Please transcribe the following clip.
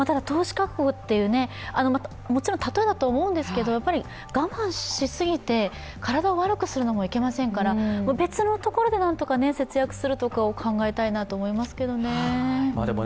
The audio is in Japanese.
ただ、凍死覚悟という、もちろん例えだと思うんですけれども、やっぱり我慢しすぎて体を悪くするのもいけませんから、別のところで何とか節約することを考えたと思いますね。